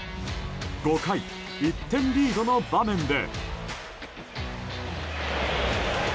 ５回、１点リードの場面で。